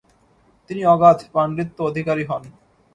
তিনি অগাধ পাণ্ডিত্য অধিকারী হন।